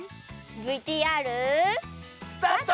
ＶＴＲ。スタート！